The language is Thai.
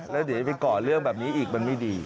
แล้วเดี๋ยวไปก่อเรื่องแบบนี้อีกมันไม่ดี